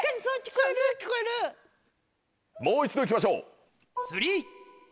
もう一度いきましょう。